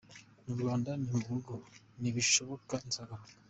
Mu Rwanda ni mu rugo nibishoboka nzagaruka.